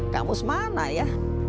kang mus mana ya